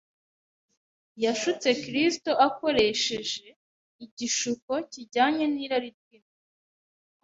Yashutse Kristo akoresheje igishuko kijyanye n’irari ry’inda.